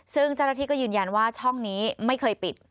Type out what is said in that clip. ซึ่งเจ้าหน้าที่ก็ยืนยันว่าช่องนี้ไม่เคยปิด